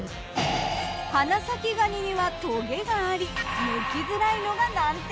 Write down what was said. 花咲がににはトゲがあり剥きづらいのが難点。